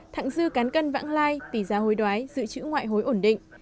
thẳng dư cán cân vãng lai tỷ giá hối đoái dự trữ ngoại hối ổn định